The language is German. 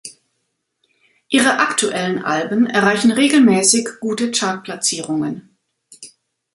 Ihre aktuellen Alben erreichen regelmäßig gute Chartplatzierungen.